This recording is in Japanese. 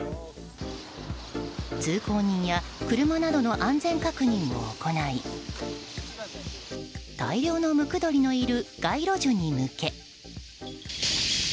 通行人や車などの安全確認を行い大量のムクドリのいる街路樹に向け。